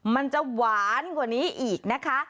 มันจะหวานกว่านี้อีกนะคะ